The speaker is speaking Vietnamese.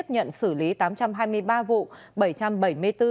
nhận xử lý tám trăm hai mươi ba vụ